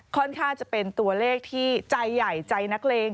ค่อนข้างจะเป็นตัวเลขที่ใจใหญ่ใจนักเลง